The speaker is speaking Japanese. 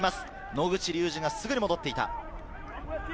野口竜司がすぐに戻っていった。